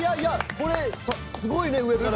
これ、すごいね、上から。